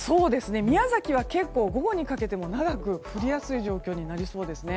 宮崎は結構午後にかけても長く降りやすい状況になりそうです。